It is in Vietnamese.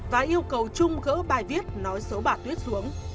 và yêu cầu trung gỡ bài viết nói xấu bà tuyết xuống